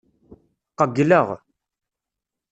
Qeyyleɣ.